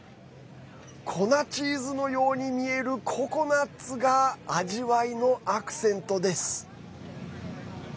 粉チーズのように見えるココナツが味わいのアクセントです。